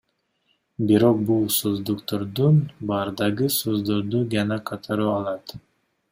Бирок бул сөздүктөрдүн баардыгы сөздөрдү гана которо алат.